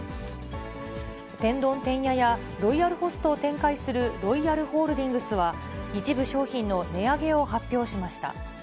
天丼てんやや、ロイヤルホストを展開するロイヤルホールディングスは、一部商品の値上げを発表しました。